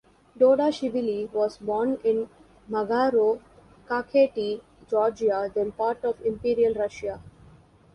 Dodashvili was born in Magharo, Kakheti, Georgia, then part of Imperial Russia.